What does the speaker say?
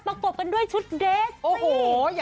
ประกบกันด้วยชุดเดร็กสิ